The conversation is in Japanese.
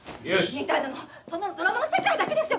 みたいなのそんなのドラマの世界だけですよ